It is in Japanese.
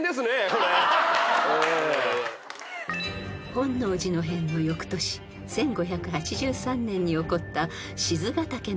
［本能寺の変の翌年１５８３年に起こった賤ヶ岳の戦い］